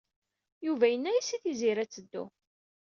Yuba yenna-as i Tiziri ad teddu.